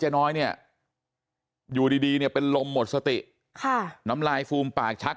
น้อยเนี่ยอยู่ดีดีเนี่ยเป็นลมหมดสติค่ะน้ำลายฟูมปากชัก